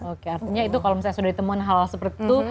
oke artinya itu kalau misalnya sudah ditemukan hal hal seperti itu